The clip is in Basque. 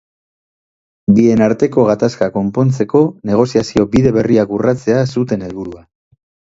Bien arteko gatazka konpontzeko negoziazio bide berriak urratzea zuten helburua.